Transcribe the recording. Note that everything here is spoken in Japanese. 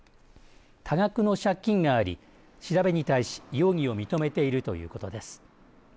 多額の借金があり調べに対し容疑を認めているということです。